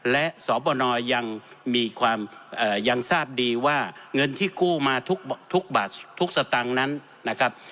และสบนยังมีความยังทราบดีว่าเงินที่กู้มาทุกบาททุกสตางค์นั้นนะครับ